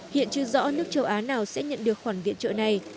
hiện chưa rõ nước châu á nào sẽ nhận được khoản viện trợ này